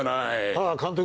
ああ監督。